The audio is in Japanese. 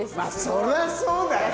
そりゃそうだよ。